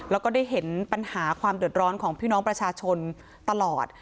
แล้วก็ได้เห็นปัญหาความเดือดร้อนของพี่น้องประชาชนตลอด